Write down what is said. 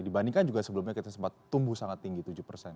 dibandingkan juga sebelumnya kita sempat tumbuh sangat tinggi tujuh persen